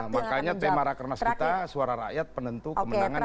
makanya tema rakyat kermas kita suara rakyat penentu kemenangan dua ribu dua puluh empat